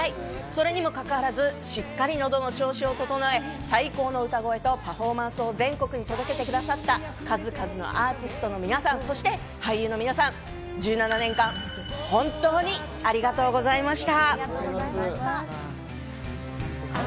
それにもかかわらず、しっかり喉の調子を整え、最高の歌声とパフォーマンスを全国に届けてくださった数々のアーティストの皆さん、そして俳優の皆さん、１７年間、本当にありがとうございました！